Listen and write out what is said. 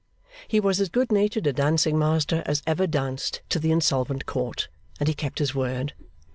He was as good natured a dancing master as ever danced to the Insolvent Court, and he kept his word.